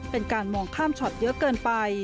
เป็นการมองข้ามช็อตเยอะเกินไป